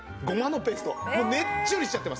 ねっちょりしちゃってます。